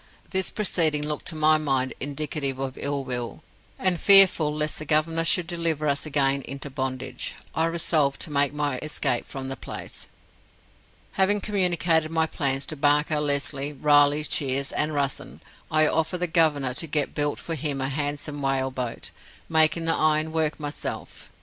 This proceeding looked to my mind indicative of ill will; and, fearful lest the Governor should deliver us again into bondage, I resolved to make my escape from the place. Having communicated my plans to Barker, Lesly, Riley, Shiers, and Russen, I offered the Governor to get built for him a handsome whale boat, making the iron work myself.